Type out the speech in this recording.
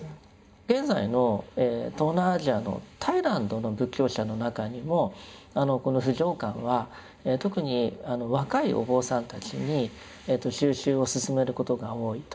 現在の東南アジアのタイランドの仏教者の中にもこの不浄観は特に若いお坊さんたちに修習を進めることが多いと。